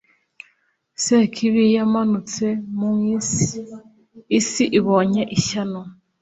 Sekibi yamanutse mwisi isi ibonye ishyano